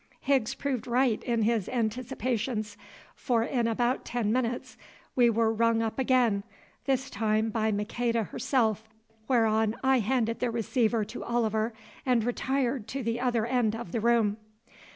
Higgs proved right in his anticipations, for in about ten minutes we were rung up again, this time by Maqueda herself, whereon I handed the receiver to Oliver and retired to the other end of the room.